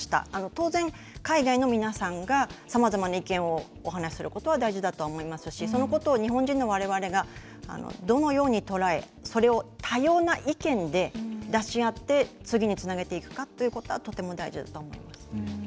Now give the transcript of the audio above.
当然、海外の皆さんがさまざまな意見をお話することが大事だと思いますしそのことを日本人のわれわれがどのように捉えそれを多様な意見で出し合って次につなげていくかということはとても大事だと思います。